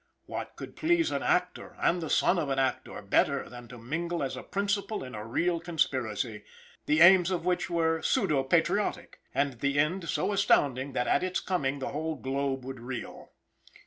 What could please an actor, and the son of an actor, better than to mingle as a principal in a real conspiracy, the aims of which were pseudo patriotic, and the end so astounding that at its coming the whole globe would reel.